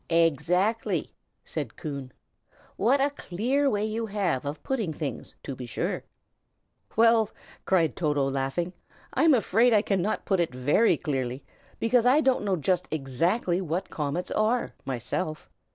"Exactly!" said Coon. "What a clear way you have of putting things, to be sure!" "Well," cried Toto, laughing, "I'm afraid I cannot put it very clearly, because I don't know just exactly what comets are, myself.